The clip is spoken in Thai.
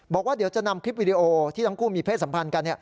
บอกว่าเดี๋ยวจะนำคลิปวิดีโอที่ทั้งคู่มีเพศสัมพันธ์กัน